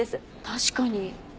確かに。